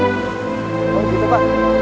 oh gitu pak